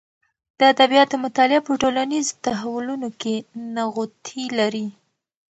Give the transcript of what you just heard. د ادبیاتو مطالعه په ټولنیز تحولونو کې نغوتې لري.